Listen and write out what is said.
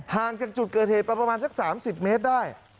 ห่างจากจุดเกิดเหตุประมาณสัก๓๐เมตรได้